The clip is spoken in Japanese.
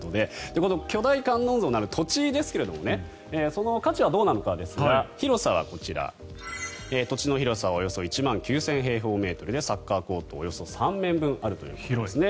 巨大観音像のある土地ですがその価値はどうかですが広さはこちら土地の広さ、およそ１万９０００平方メートルでサッカーコート３面分あると。